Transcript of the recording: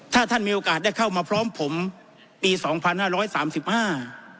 ถ้าท่านมีโอกาสได้เข้ามาพร้อมผมปีสองพันห้าร้อยสามสิบห้า